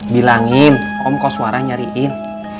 bilangin om kos warah nyariin